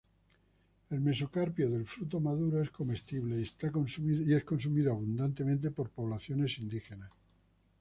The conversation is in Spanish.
El mesocarpio del fruto maduro es comestible y es consumido abundantemente por poblaciones indígenas.